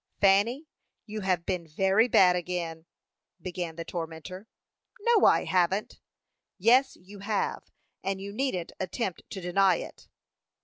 "Fanny, you have been very bad again," began the tormentor. "No, I haven't." "Yes, you have; and you needn't attempt to deny it."